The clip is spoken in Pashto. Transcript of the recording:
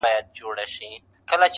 نه په ژوند کي یې څه پاته نه یې خوند وو-